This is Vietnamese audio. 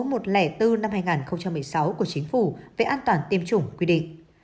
nghệ phụ thuộc vào năm hai nghìn một mươi sáu của chính phủ về an toàn tiêm chủng quy định